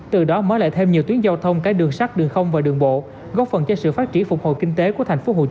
từ đó mới lại thêm nhiều tuyến giao thông cả đường sắt đường không và đường bộ góp phần cho sự phát triển phục hồi kinh tế của tp hcm và cả nước